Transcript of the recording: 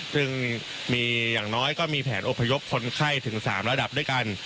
ซึ่งมีอย่างน้อยก็มีแผนอพยพคนไข้ถึง๓ระดับด้วยกัน